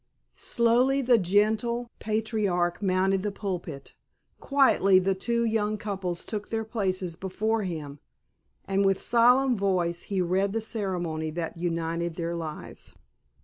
Slowly the gentle patriarch mounted the pulpit, quietly the two young couples took their places before him, and with solemn voice he read the ceremony that united their lives.